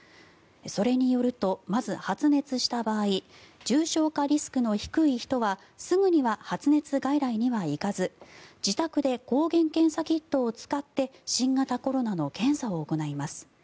それによるとまず発熱した場合重症化リスクの低い人はすぐには発熱外来には行かず自宅で抗原検査キットを使って新型コロナの検査を行います。